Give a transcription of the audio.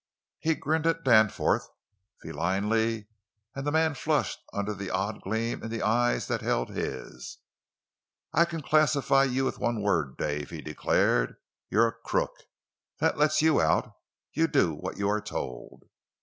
He grinned at Danforth, felinely, and the man flushed under the odd gleam in the eyes that held his. "I can classify you with one word, Dave," he declared; "you're a crook! That lets you out; you do what you are told!"